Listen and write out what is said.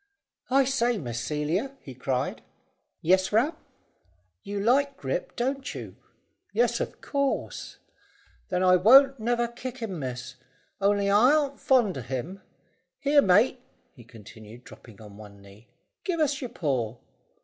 "I say, Miss Celia," he cried. "Yes, Ram." "You like Grip, don't you?" "Yes, of course." "Then I won't never kick him, miss. Only I arn't fond on him. Here, mate," he continued, dropping on one knee, "give us your paw."